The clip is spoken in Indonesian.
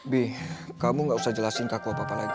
bi kamu gak usah jelasin kaku apa apa lagi